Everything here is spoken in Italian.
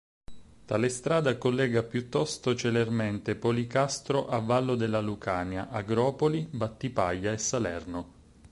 Tale strada collega piuttosto celermente Policastro a Vallo della Lucania, Agropoli, Battipaglia e Salerno.